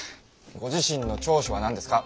ご自身の長所は何ですか？